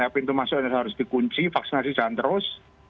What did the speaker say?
pintu masuk harus dikunci vaksinasi jalan terus